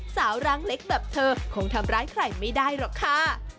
ร่างเล็กแบบเธอคงทำร้ายใครไม่ได้หรอกค่ะ